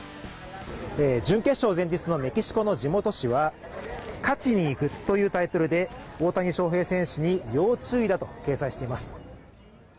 準決勝前日のメキシコの地元紙は、「勝ちに行く」というタイトルで大谷翔平選手に要注意だと掲載しています。